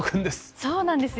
そうなんですよ。